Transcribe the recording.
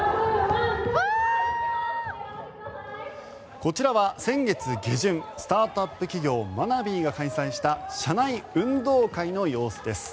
こちらは先月下旬スタートアップ企業Ｍａｎａｂｉｅが開催した社内運動会の様子です。